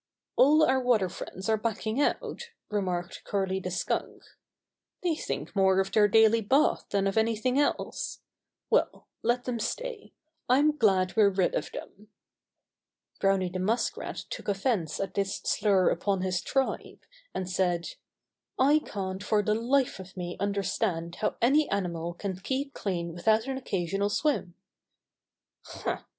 "All our water friends are backing out," re marked Curly the Skunk. "They think more of their daily bath than of anything else. Well, let them stay. I'm glad we're rid of them." Browny the Muskrat took offense at this slur upon his tribe, and said: "I can't for the life of me understand how any animal can keep clean without an occasional swim." "Huh!"